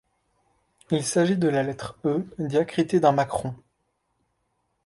Il s’agit de la lettre Œ diacritée d’un macron.